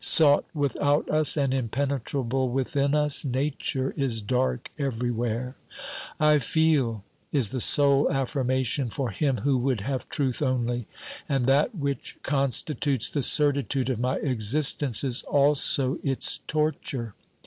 Sought without us and impenetrable within us, Nature is dark everywhere. " I feel," is the sole affirmation for him who would have truth only. And that which con stitutes the certitude of my existence is also its torture.